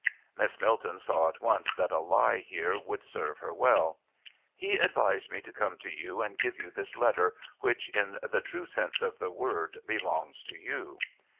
Miss Milton saw at once that a lie here would serve her well. "He advised me to come to you and give you this letter which in the true sense of the word belongs to you."